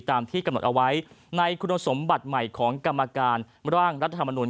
ตามที่กำหนดเอาไว้ในคุณสมบัติใหม่ของกรรมการร่างรัฐธรรมนุน